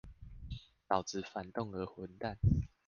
老子反動兒混蛋